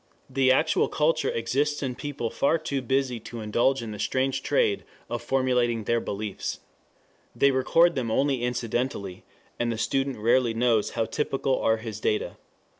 The actual culture exists in people far too busy to indulge in the strange trade of formulating their beliefs. They record them only incidentally, and the student rarely knows how typical are his data.